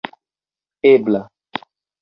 ebla